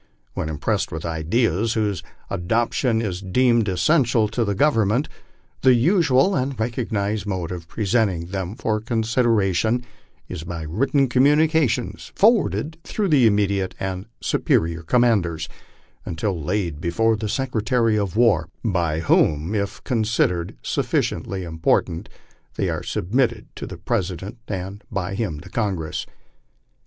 When impressed with ideas whose adoption is deemed essential to the Government, the usual and recognized mode of presenting them for consideration is by written communications forwarded through the intermediate and superior commanders until laid before the Secretary of War, by whom, if considered sufficiently important, they are submitted to the Pres ident, and by him to Congress.